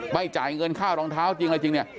ไม่จ่ายเงินค่ารองเท้าจริงอะไรจริงเนี่ย